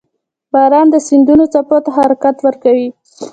• باران د سیندونو څپو ته حرکت ورکوي.